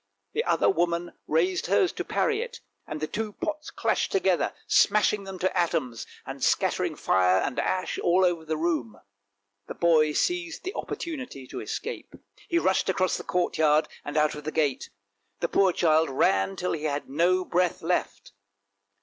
The other woman raised hers to parry it, and the two pots clashed together, smashing THE BRONZE BOAR 339 them to atoms and scattering fire and ash all over the room. The boy seized the opportunity to escape; he rushed across the courtyard and out of the gate. The poor child ran till he had no breath left.